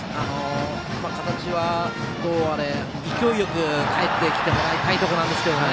形はどうあれ勢いよく帰ってきてもらいたいところですけどね。